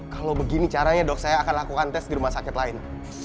kalau begini caranya dok saya akan lakukan tes di rumah sakit lain